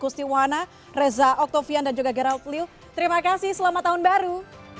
kustiwana reza oktavian dan juga gerard liw terima kasih selamat tahun baru